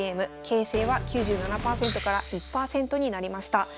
形勢は９７％から１％になりました。